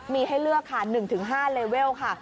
มีให้เลือกค่ะ๑๕เลเวลค่ะ